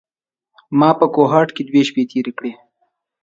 ما په کوهاټ کې دوې شپې تېرې کړې.